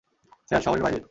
Sir, শহরের বাইরের।